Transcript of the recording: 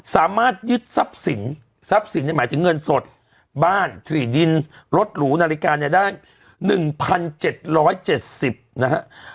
สามารถยึดทรัพย์สินทรัพย์สินหมายถึงเงินสดบ้านถี่ดินรถหรูนาฬิกาเนี่ยได้๑๗๗๐นะฮะ